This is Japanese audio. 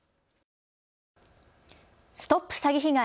ＳＴＯＰ詐欺被害！